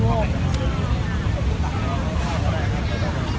สวัสดีค่ะ